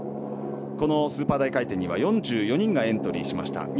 このスーパー大回転には４４人がエントリーしました。